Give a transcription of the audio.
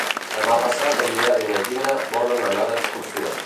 Demà passat en Biel i na Gina volen anar d'excursió.